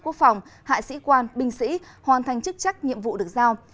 quốc phòng hạ sĩ quan binh sĩ hoàn thành chức trách nhiệm vụ được giao